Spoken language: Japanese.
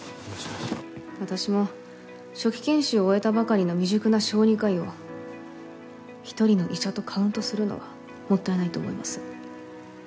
「私も初期研修を終えたばかりの未熟な小児科医を一人の医者とカウントするのはもったいないと思います」